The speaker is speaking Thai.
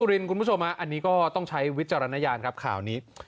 รินทร์คุณผู้ชมอันนี้ก็ต้องใช้วิจารณญาณครับข่าวนี้